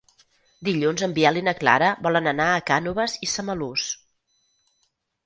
Dilluns en Biel i na Clara volen anar a Cànoves i Samalús.